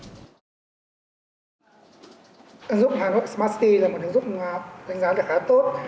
ứng dụng hanoi smart city là một ứng dụng đánh giá khá tốt